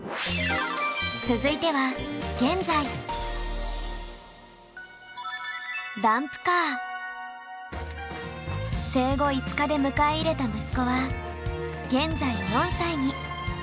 続いては生後５日で迎え入れた息子は現在４歳に。